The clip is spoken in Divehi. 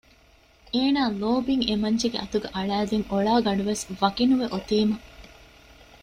އޭނާ ލޯބިން އެމަންޖެގެ އަތުގައި އަޅައިދިން އޮޅާގަނޑުވެސް ވަކިނުވެ އޮތީމަ